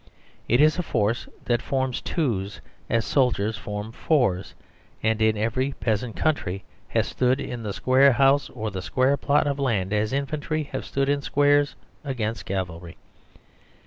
It is a force that forms twos as soldiers form fours; and, in every peasant country, has stood in the square house or the square plot of land as infantry have stood in squares against cavalry.